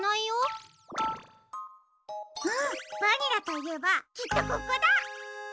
うんバニラといえばきっとここだ！